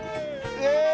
イエーイ。